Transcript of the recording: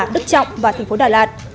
đức trọng và tp đà lạt